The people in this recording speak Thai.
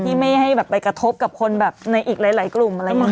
ไม่ให้แบบไปกระทบกับคนแบบในอีกหลายกลุ่มอะไรอย่างนี้